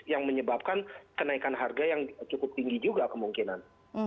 yang menyebabkan kenaikan harga yang cukup tinggi juga kemungkinan